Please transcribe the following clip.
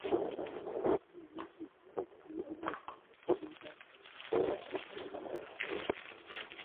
ব্যাপারখানা এমন কী গুরুতর, এই বলিয়া কাল রাত্রিকার মনঃপীড়ায় আজ বিনয়ের হাসি পাইল।